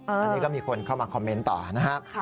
อันนี้ก็มีคนเข้ามาคอมเมนต์ต่อนะครับ